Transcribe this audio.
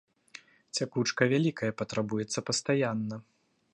Цякучка вялікая, патрабуюцца пастаянна.